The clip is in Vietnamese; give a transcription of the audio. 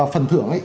phần thưởng ấy